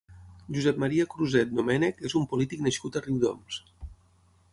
Josep Maria Cruset Domènech és un polític nascut a Riudoms.